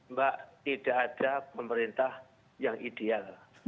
mbak tidak ada pemerintah yang ideal